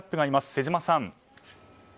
瀬島さん。